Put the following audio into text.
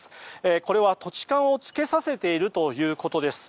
これは、土地勘を付けさせているということです。